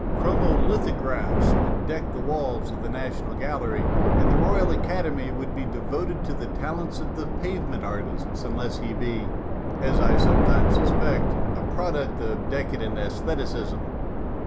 Chromo lithographs would THE REVOLT OF THE PHILISTINES 167 deck the walls of the National Gallery, and the Royal Academy would be devoted to the talents of the pavement artist unless he be, as I sometimes suspect, a product of deca dent sestheticism.